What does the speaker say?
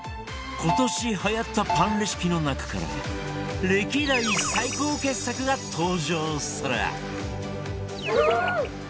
今年はやったパンレシピの中から歴代最高傑作が登場する